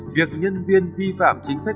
việc nhân viên vi phạm chính sách